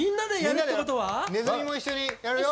ねずみも一緒にやるよ。